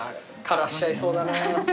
枯らしちゃいそうだな。